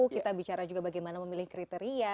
kita bicara juga bagaimana memilih kriteria